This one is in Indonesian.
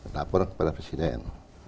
lapor kepada presiden